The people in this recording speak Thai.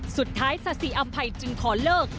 สุดท้ายซาสีอำไพยจึงขอเลิก